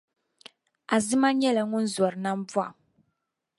Azima nyɛla ŋun zɔri nambɔɣu.